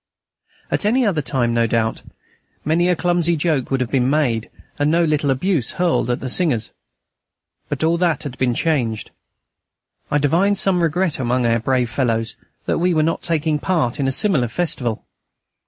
At any other time, no doubt, many a clumsy joke would have been made, and no little abuse hurled at the singers. But all that has been changed. I divined some regret among our brave fellows that we were not taking part in a similar festival.